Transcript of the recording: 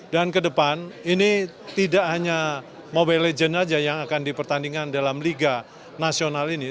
dan ke depan ini tidak hanya mobile legends saja yang akan dipertandingkan dalam liga nasional ini